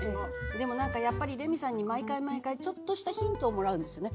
でも何かやっぱりレミさんに毎回毎回ちょっとしたヒントをもらうんですよね。